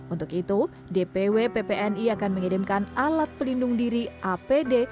untuk itu dpw ppni akan mengirimkan alat pelindung diri apd